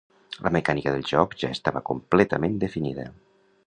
La mecànica del joc ja estava completament definida.